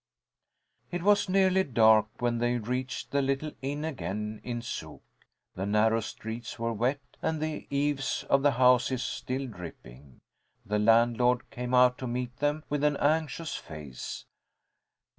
It was nearly dark when they reached the little inn again in Zug. The narrow streets were wet, and the eaves of the houses still dripping. The landlord came out to meet them with an anxious face.